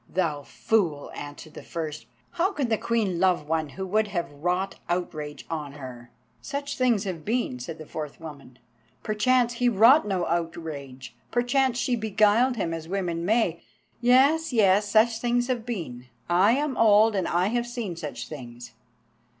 "Thou fool," answered the first; "how can the Queen love one who would have wrought outrage on her?" "Such things have been," said the fourth woman; "perchance he wrought no outrage, perchance she beguiled him as women may. Yes, yes, such things have been. I am old, and I have seen such things."